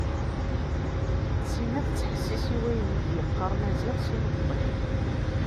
Sima tettḥessis i wayen d-yeqqar Maziɣ s imeṭṭi.